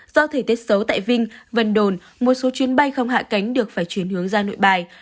do thời tiết xấu tại vinh vân đồn một số chuyến bay không hạ cánh được phải chuyển hướng ra nội bài